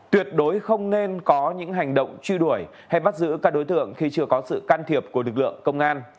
tuyệt đối không nên có những hành động truy đuổi hay bắt giữ các đối tượng khi chưa có sự can thiệp của lực lượng công an